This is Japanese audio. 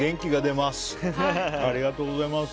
ありがとうございます。